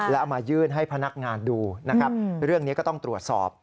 แล้วเอามายื่นให้พนักงานดูนะครับเรื่องนี้ก็ต้องตรวจสอบ